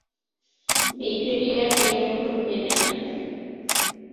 Brigadier এই অনুরোধ মেনে নেন।